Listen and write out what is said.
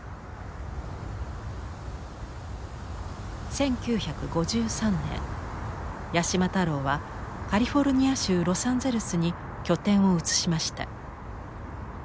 １９５３年八島太郎はカリフォルニア州ロサンゼルスに拠点を移しました。